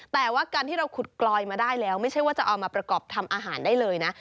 แต่ว่าการที่เราขุดกลอยมาได้แล้วไม่ใช่ว่าจะเอามาประกอบทำอาหารได้เลยนะ